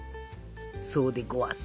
そうでごわす。